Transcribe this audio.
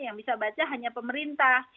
yang bisa baca hanya pemerintah